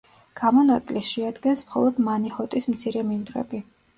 გამონაკლისს შეადგენს მხოლოდ მანიჰოტის მცირე მინდვრები.